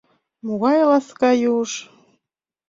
Могай ласка юж.